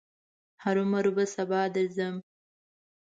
هرو مرو به سبا درځم.